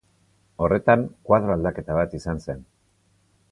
Horretan koadro aldaketa bat izan zen.